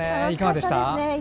いかがでした？